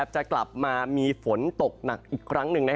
จะกลับมามีฝนตกหนักอีกครั้งหนึ่ง